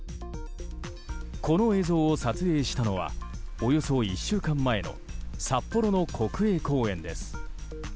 この映像を撮影したのはおよそ１週間前の札幌の国営公園です。